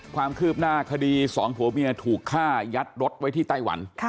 ความคืบหน้าคดีสองผัวเมียถูกฆ่ายัดรถไว้ที่ไต้หวัน